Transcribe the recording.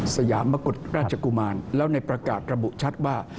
สยามมกุฎราชกุมารแล้วในประกาศระบุชัดว่า